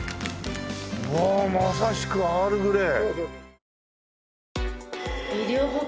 うわあまさしくアールグレイ。